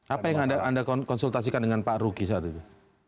apa yang anda konsultasikan dengan pak ruki saat itu